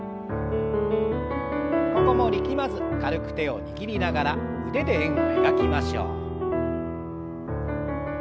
ここも力まず軽く手を握りながら腕で円を描きましょう。